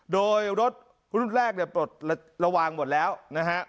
โดยรถรุ่นแรกเนี่ยปลดระวังหมดแล้วนะฮะ